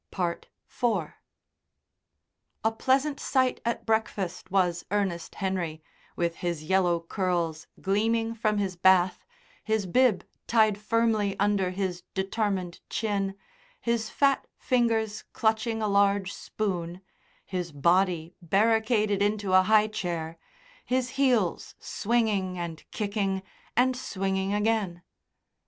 IV A pleasant sight at breakfast was Ernest Henry, with his yellow curls gleaming from his bath, his bib tied firmly under his determined chin, his fat fingers clutching a large spoon, his body barricaded into a high chair, his heels swinging and kicking and swinging again.